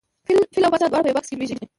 فیل او پاچا دواړه په یوه بکس کې لویږي.